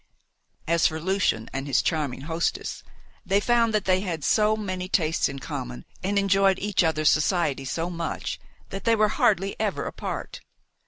As for Lucian and his charming hostess, they found that they had so many tastes in common, and enjoyed each other's society so much, that they were hardly ever apart.